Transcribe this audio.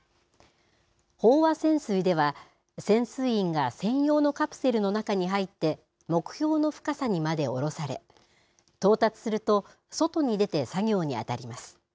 飽和潜水では、潜水員が専用のカプセルの中に入って、目標の深さにまで下ろされ、到達すると、外に出て作業に当たります。